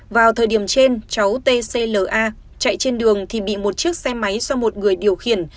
vào thời điểm trên cháu t c l a chạy trên đường thì bị một chiếc xe máy do một người điều khiển